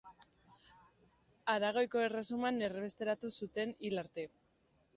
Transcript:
Aragoiko Erresuman erbesteratu zuten hil arte.